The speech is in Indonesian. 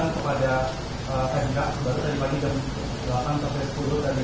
kepada pnk baru tadi pagi jam delapan sampai sepuluh dan lain lain